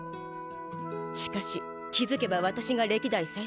しかし気づけば私が歴代最速出世。